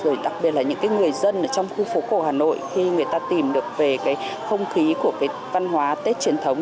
rồi đặc biệt là những người dân ở trong khu phố cổ hà nội khi người ta tìm được về cái không khí của cái văn hóa tết truyền thống